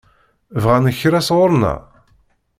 Bɣan kra sɣur-neɣ?